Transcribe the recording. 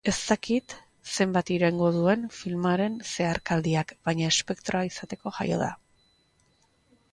Ez dakit zenbat iraungo duen filmaren zeharkaldiak, baina espektro izateko jaio da.